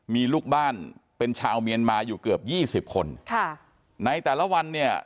มีลูกบ้านเป็นชาวเมียนมาอยู่เกือบยี่สิบคนค่ะในแต่ละวันเนี่ย